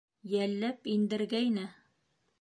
Йәлләп индергәйне...